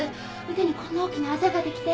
腕にこんな大きなあざができて。